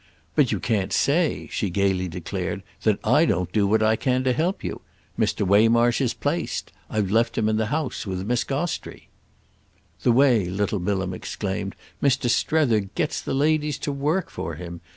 But you can't say," she gaily declared, "that I don't do what I can to help you. Mr. Waymarsh is placed. I've left him in the house with Miss Gostrey." "The way," little Bilham exclaimed, "Mr. Strether gets the ladies to work for him!